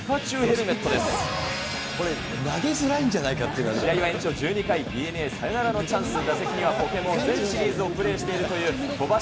これ、試合は延長１２回、ＤｅＮＡ、サヨナラのチャンスで、打席にはポケモン全シリーズをプレーしているという、戸柱。